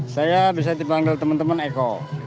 saya bisa dipanggil teman teman eko